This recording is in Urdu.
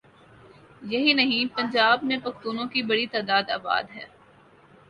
یہی نہیں پنجاب میں پختونوں کی بڑی تعداد آباد ہے۔